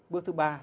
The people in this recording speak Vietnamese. bước thứ ba